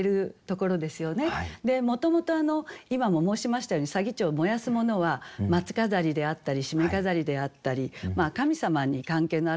もともと今も申しましたように左義長燃やすものは松飾りであったりしめ飾りであったり神様に関係のあるものですよね。